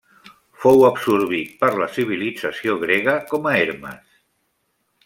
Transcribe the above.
Fou absorbit per la civilització grega com a Hermes.